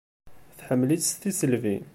Tḥemmel-itt s tisselbi.